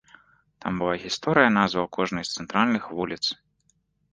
Там была гісторыя назваў кожнай з цэнтральных вуліц.